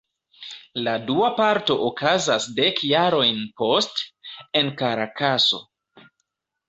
La dua parto okazas dek jarojn poste, en Karakaso.